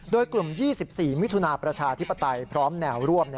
โดยกลุ่ม๒๔มิถุนาประชาธิปไตยพร้อมแนวร่วม